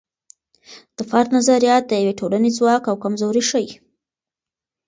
د فرد نظریات د یوې ټولنې ځواک او کمزوري ښیي.